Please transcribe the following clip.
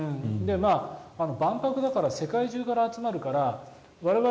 万博だから世界中から集まるから我々、